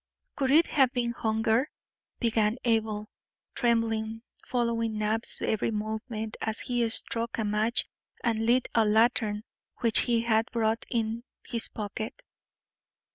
"Could it have been hunger?" began Abel, tremblingly following Knapp's every movement as he struck a match and lit a lantern which he had brought in his pocket.